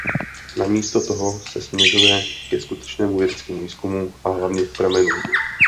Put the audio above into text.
Na místo toho se směřuje ke skutečnému vědeckému výzkumu a hlavně k pramenům.